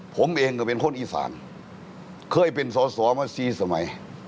ผมเองก็เป็นคนอีสานเคยเป็นสอสอมาสี่สมัย